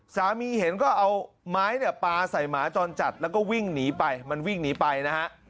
สามีเห็นก็เอาไม้เนี่ยปลาใส่หมาจรจัดแล้วก็วิ่งหนีไปมันวิ่งหนีไปนะฮะ